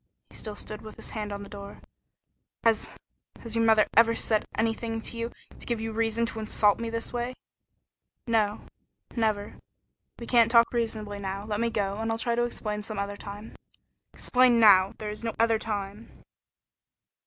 He still stood with his hand on the door. "Has has your mother ever said anything to you to give you reason to insult me this way?" "No, never. We can't talk reasonably now. Let me go, and I'll try to explain some other time." "Explain now. There is no other time."